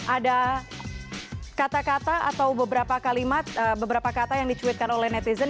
ada kata kata atau beberapa kalimat beberapa kata yang dicuitkan oleh netizen